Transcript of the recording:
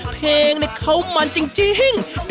เพลงนี้เข้ามันจริงจริง